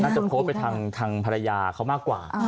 จะโพสต์ไปทางภรรยาเขามากกว่า